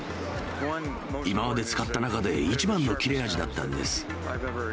今まで使った中で一番の切れ味だったんです。